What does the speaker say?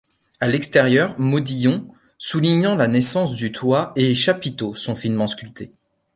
À l'extérieur, modillons soulignant la naissance du toit et chapiteaux sont finement sculptés.